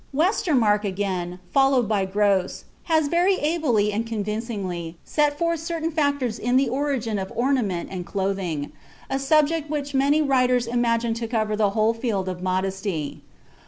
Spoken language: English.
Westermarck, again, followed by Grosse, has very ably and convincingly set forth certain factors in the origin of ornament and clothing, a subject which many writers imagine to cover the whole field of modesty.